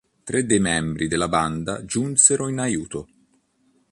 Tre dei membri della banda giunsero in aiuto.